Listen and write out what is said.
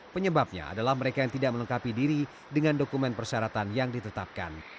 penyebabnya adalah mereka yang tidak melengkapi diri dengan dokumen persyaratan yang ditetapkan